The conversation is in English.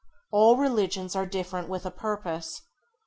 All religions are different with a purpose.